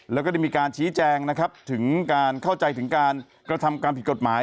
แล้วก็ได้มีการชี้แจงนะครับถึงการเข้าใจถึงการกระทำการผิดกฎหมาย